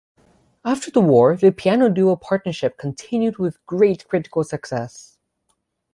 After the war the piano duo partnership continued with great critical success.